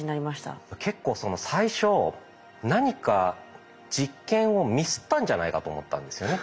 結構最初何か実験をミスったんじゃないかと思ったんですよね。